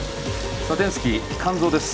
サテンスキー肝臓です